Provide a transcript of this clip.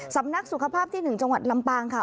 สำนักสุขภาพที่๑จังหวัดลำปางค่ะ